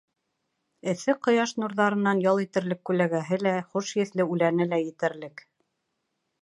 Эҫе ҡояш нурҙарынан ял итерлек күләгәһе лә, хуш еҫле үләне лә етерлек.